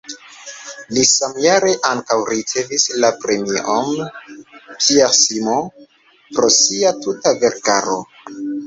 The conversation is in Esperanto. Li samjare ankaŭ ricevis la premion "Pierre Simon" pro sia tuta verkaro.